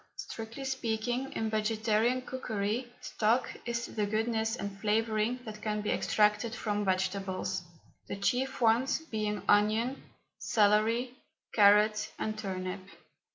Strictly speaking, in vegetarian cookery, stock is the goodness and flavouring that can be extracted from vegetables, the chief ones being onion, celery, carrot, and turnip.